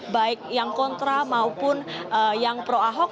baik yang kontra maupun yang pro ahok